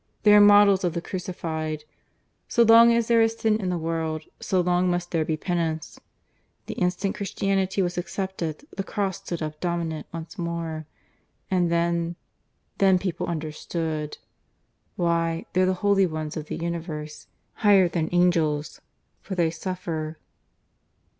They are models of the Crucified. So long as there is Sin in the world, so long must there be Penance. The instant Christianity was accepted, the Cross stood up dominant once more. ... And then ... then people understood. Why, they're the Holy Ones of the universe higher than angels; for they suffer.